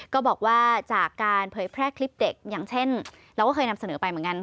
ก็บอกว่าจากการเผยแพร่คลิปเด็กอย่างเช่นเราก็เคยนำเสนอไปเหมือนกัน